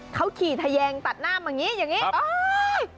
เขาขี่ทะแยงตัดหน้ามันอย่างนี้